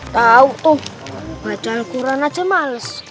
tau tuh baca alquran aja males